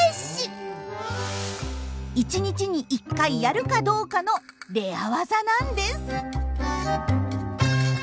１日に１回やるかどうかのレア技なんです。